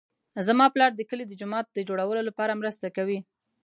زما پلار د کلي د جومات د جوړولو لپاره مرسته کوي